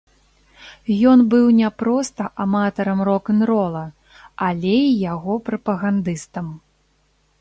Ён быў не проста аматарам рок-н-рола, але і яго прапагандыстам.